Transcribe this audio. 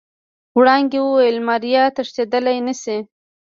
وړانګې وويل ماريا تښتېدل نشي.